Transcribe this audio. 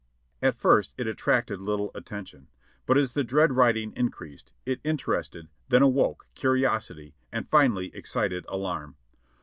At first it attracted little attention, but as the dread writing in creased, it interested, then awoke curiosity and finally excited alarm.